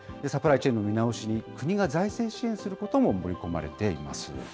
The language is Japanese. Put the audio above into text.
サプライチェーンの見直しに、国が財政支援することも盛り込まれています。